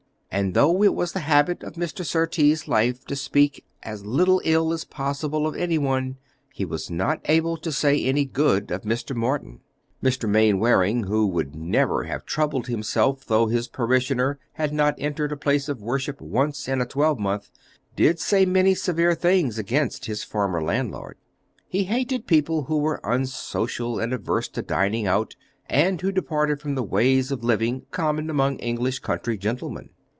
And though it was the habit of Mr. Surtees' life to speak as little ill as possible of any one, he was not able to say any good of Mr. Morton. Mr. Mainwaring, who would never have troubled himself though his parishioner had not entered a place of worship once in a twelvemonth, did say many severe things against his former landlord. He hated people who were unsocial and averse to dining out, and who departed from the ways of living common among English country gentlemen.